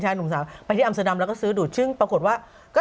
คือหนูไม่รู้หนึ่งว่าเอ๊ะ